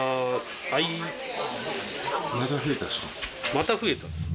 また増えたんですか？